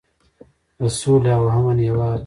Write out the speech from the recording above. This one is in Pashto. د سولې او امن هیواد.